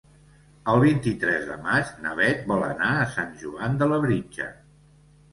El vint-i-tres de maig na Bet vol anar a Sant Joan de Labritja.